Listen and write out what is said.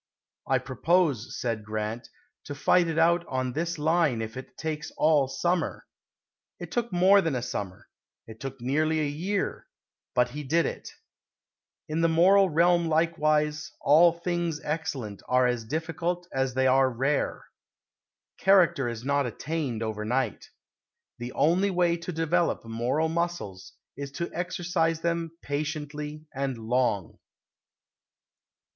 "I propose," said Grant, "to fight it out on this line if it takes all summer." It took more than a summer; it took nearly a year but he did it. In the moral realm likewise, "All things excellent are as difficult as they are rare." Character is not attained over night. The only way to develop moral muscles is to exercise them patiently and long.